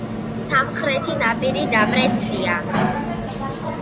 სამხრეთი ნაპირი დამრეცია.